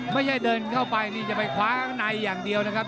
ไม่ใช่เดินเข้าไปจะไปขวาข้างในอย่างเดียวนะครับ